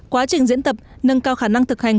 quá trình diễn tập nâng cao khả năng thực hành